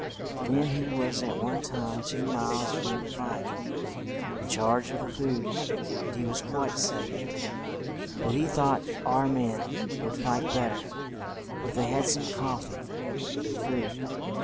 Then he was at one time two miles from the fight, in charge of the food; he was quite safe; but he thought our men would fight bet ter, if they had some cof fee and food.